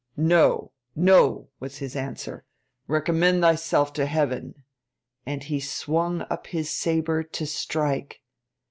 ] 'No, no,' was his answer; 'recommend thyself to Heaven'; and he swung up his sabre to strike.